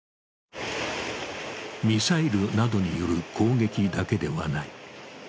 ミサイルなどによる攻撃だけではない。